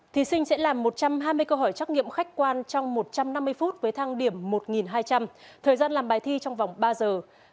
thí sinh sẽ làm một trăm hai mươi câu hỏi trắc nghiệm khách quan trong một trăm năm mươi phút với thăng điểm một hai trăm linh thời gian làm bài thi trong vòng ba giờ